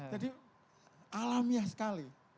jadi alamiah sekali